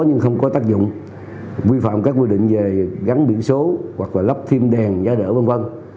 hoặc là lắp thêm đèn giá đỡ v v